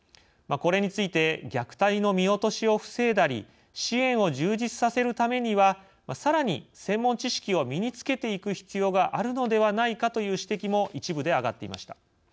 これについて虐待の見落としを防いだり支援を充実させるためにはさらに専門知識を身につけていく必要があるのではないかという指摘も一部で上がっていました。